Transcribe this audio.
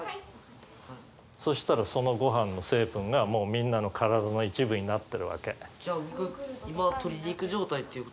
そしたらそのごはんの成分がもうみんなの体の一部になってるわけ。